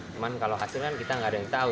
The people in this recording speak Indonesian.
cuman kalau hasil kan kita nggak ada yang tahu